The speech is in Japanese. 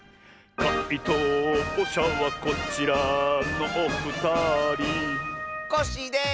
かいとうしゃはこちらのおふたりコッシーです！